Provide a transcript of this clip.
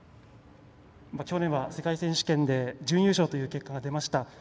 去年は世界選手権で準優勝という結果が出ました。